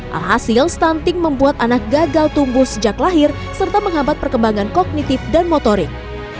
alhasil stunting membuat anak gagal tumbuh sejak lahir serta menghambat perkembangan kognitif dan motorik